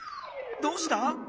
どうした？